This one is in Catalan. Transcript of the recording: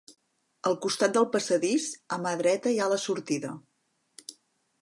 Al costat del passadís, a mà dreta hi ha la sortida.